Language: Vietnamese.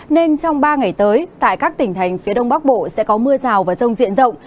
nên trong ba ngày tới tại các tỉnh thành phía đông bắc bộ sẽ có mưa rào và rông diện rộng